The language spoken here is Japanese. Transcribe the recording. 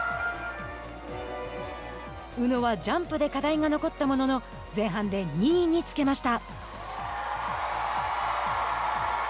宇野はジャンプで課題が残ったものの前半で２位につけました。